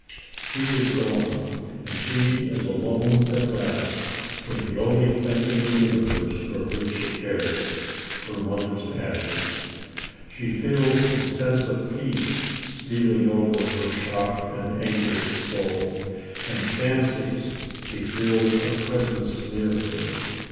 He is gone, and she is alone at last, with the only thing in the universe for which she cares — her mother's ashes. She feels a sense of peace stealing over her shocked and anguished soul, and fancies she feels a presence near her.